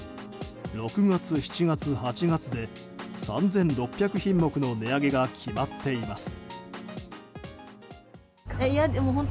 ６月、７月、８月で３６００品目の値上げが決まっています。